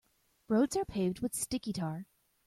Roads are paved with sticky tar.